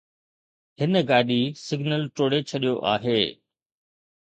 هن گاڏي سگنل ٽوڙي ڇڏيو آهي